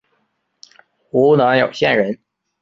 湖南澧县人。